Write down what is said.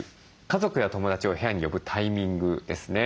家族や友達を部屋に呼ぶタイミングですね。